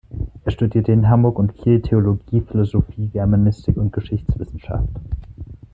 Er studierte in Hamburg und Kiel Theologie, Philosophie, Germanistik und Geschichtswissenschaft.